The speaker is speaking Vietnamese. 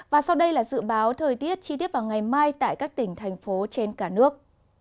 và sau đây là dự báo thời tiết chi tiết vào ngày mai tại các tỉnh thành phố trên cả nước